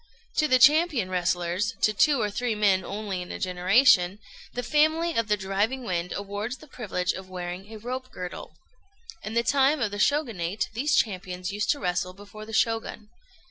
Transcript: To the champion wrestlers to two or three men only in a generation the family of the "Driving Wind" awards the privilege of wearing a rope girdle. In the time of the Shogunate these champions used to wrestle before the Shogun.